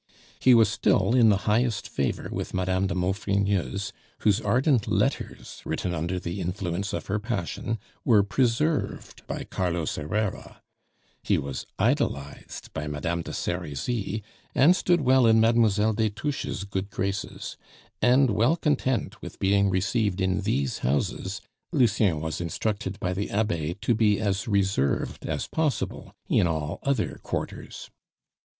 He was still in the highest favor with Madame de Maufrigneuse, whose ardent letters, written under the influence of her passion, were preserved by Carlos Herrera; he was idolized by Madame de Serizy, and stood well in Mademoiselle des Touches' good graces; and well content with being received in these houses, Lucien was instructed by the Abbe to be as reserved as possible in all other quarters.